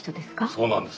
そうなんです。